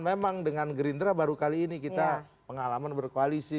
memang dengan gerindra baru kali ini kita pengalaman berkoalisi